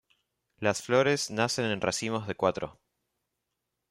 Las flores nacen en racimos de cuatro.